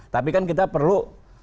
tapi kan kita perlu